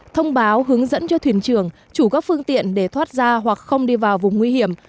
thông báo hướng dẫn cho thuyền trưởng chủ các phương tiện để thoát ra hoặc không đi vào vùng nguy hiểm